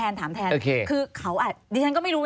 นี่ไม่รู้